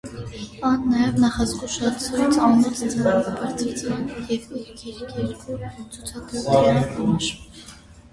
Ան նաեւ նախազգուշացուց անոնց «ձայնի բարձրացման եւ իր գիրքերու ցուցադրութեան» համար։